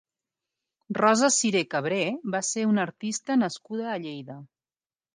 Rosa Siré Cabré va ser una artista nascuda a Lleida.